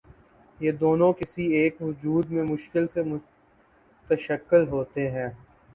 یہ دونوں کسی ایک وجود میں مشکل سے متشکل ہوتے ہیں۔